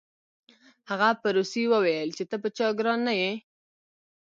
هغه په روسي وویل چې ته په چا ګران نه یې